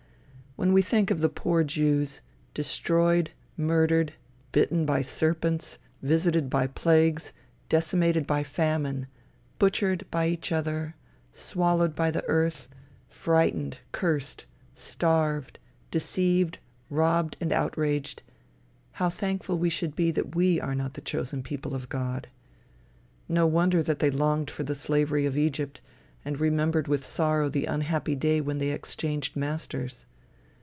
When we think of the poor Jews, destroyed, murdered, bitten by serpents, visited by plagues, decimated by famine, butchered by each, other, swallowed by the earth, frightened, cursed, starved, deceived, robbed and outraged, how thankful we should be that we are not the chosen people of God. No wonder that they longed for the slavery of Egypt, and remembered with sorrow the unhappy day when they exchanged masters.